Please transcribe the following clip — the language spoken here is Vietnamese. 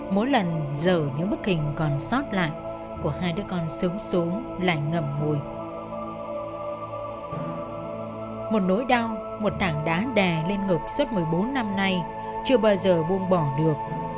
một nỗi đau một thảng đá đè lên ngực suốt một mươi bốn năm nay chưa bao giờ buông bỏ được